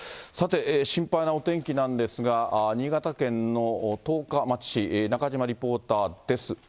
さて、心配なお天気なんですが、新潟県の十日町市、中島リポーターです。